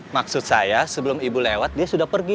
maksud saya sebelum ibu lewat dia sudah pergi